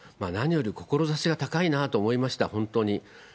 何より志が高いなと思いました、本当に。